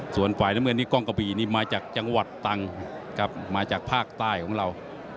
ส่วนฝ่ายน้ำเงินนี่กล้องกะบี่นี่มาจากจังหวัดตังครับมาจากภาคใต้ของเรา